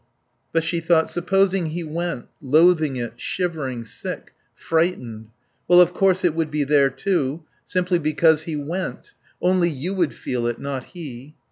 But she thought: Supposing he went, loathing it, shivering, sick? Frightened. Well, of course it would be there too, simply because he went; only you would feel it, not he.